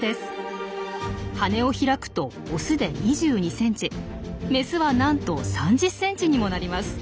羽を開くとオスで２２ｃｍメスはなんと３０ｃｍにもなります。